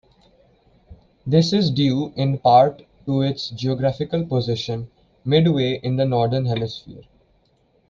This is due in part to its geographical position; midway in the Northern Hemisphere.